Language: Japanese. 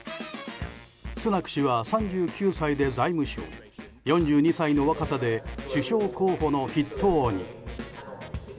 スナク氏は３９歳で財務大臣４２歳の若さで首相候補の筆頭に。